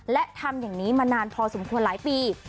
และทำอย่างนี้มานานพอสมควรหลายปี